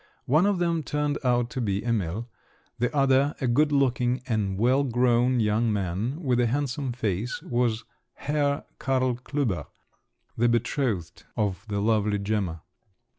One of them turned out to be Emil; the other, a good looking and well grown young man, with a handsome face, was Herr Karl Klüber, the betrothed of the lovely Gemma.